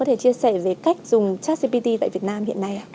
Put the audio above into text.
có thể chia sẻ về cách dùng chất gpt tại việt nam hiện nay ạ